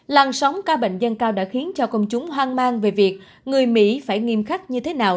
làn sóng ca bệnh dân cao đã khiến cho công chúng hoang mang về việc người mỹ phải nghiêm khắc như thế nào